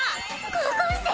高校生？